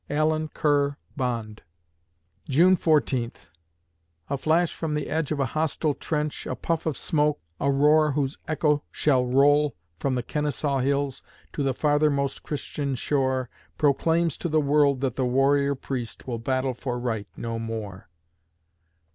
ALLEN KERR BOND June Fourteenth A flash from the edge of a hostile trench, A puff of smoke, a roar Whose echo shall roll from the Kenesaw Hills To the farthermost Christian shore, Proclaims to the world that the warrior priest Will battle for right no more.